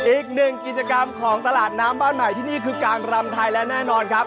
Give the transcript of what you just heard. อีกหนึ่งกิจกรรมของตลาดน้ำบ้านใหม่ที่นี่คือการรำไทยและแน่นอนครับ